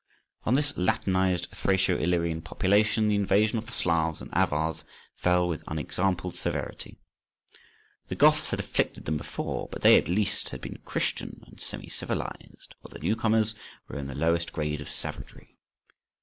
On this Latinized Thraco Illyrian population the invasion of the Slavs and Avars fell with unexampled severity. The Goths had afflicted them before, but they, at least, had been Christian and semi civilized, while the new comers were in the lowest grade of savagery.